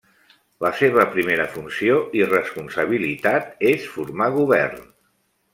La seva primera funció i responsabilitat és formar govern.